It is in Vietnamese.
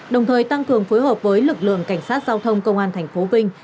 đồng thời tăng cường phối hợp với lực lượng cảnh sát giao thông công an thành phố vinh